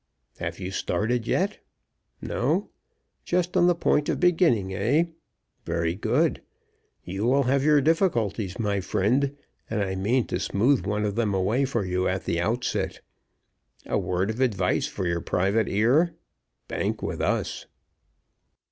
Have you started yet? No? Just on the point of beginning, eh? Very good. You will have your difficulties, my friend, and I mean to smooth one of them away for you at the outset. A word of advice for your private ear Bank with us."